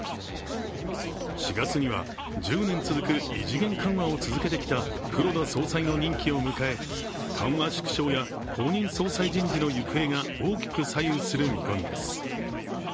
４月には１０年続く異次元緩和を続けてきた黒田総裁の任期を迎え緩和縮小や後任総裁人事の行方が大きく左右する見込みです。